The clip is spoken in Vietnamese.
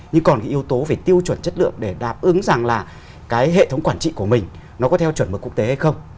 nhưng còn cái yếu tố về tiêu chuẩn chất lượng để đáp ứng rằng là cái hệ thống quản trị của mình nó có theo chuẩn mực quốc tế hay không